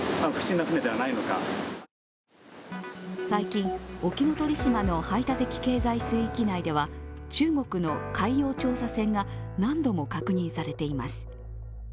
最近、沖ノ鳥島の排他的経済水域内では中国の海洋調査船が何度も確認されています。